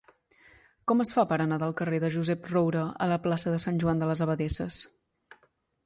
Com es fa per anar del carrer de Josep Roura a la plaça de Sant Joan de les Abadesses?